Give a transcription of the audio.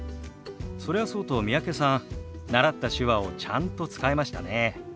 それはそうと三宅さん習った手話をちゃんと使えましたね。